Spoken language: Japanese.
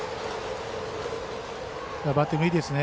バッティングいいですね。